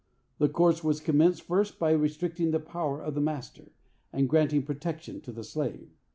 The course was commenced first by restricting the power of the master, and granting protection to the slave.